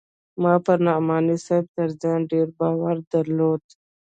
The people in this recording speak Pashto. ما پر نعماني صاحب تر ځان ډېر باور درلود.